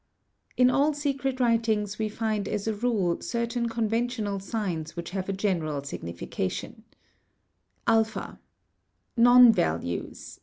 In all secret writings we find as a rule certain conventional signs which have a general signification : (2) Non values, t.